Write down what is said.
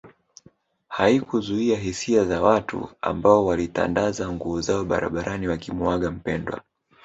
Haikuzuia hisia za watu ambao walitandaza nguo zao barabarani wakimuaga mpendwa